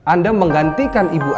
anda menggantikan ibu anda